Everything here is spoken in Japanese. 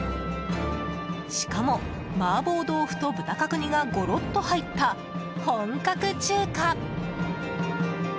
しかも、マーボー豆腐と豚角煮がゴロッと入った本格中華。